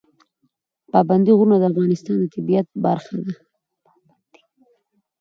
پابندی غرونه د افغانستان د طبیعت برخه ده.